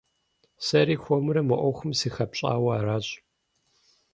Сэри хуэмурэ мы Ӏуэхум сыхэпщӀауэ аращ.